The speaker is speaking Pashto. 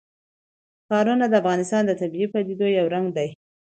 ښارونه د افغانستان د طبیعي پدیدو یو رنګ دی.